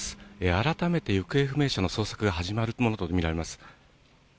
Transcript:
改めて行方不明者の捜索が始まるものと見られます。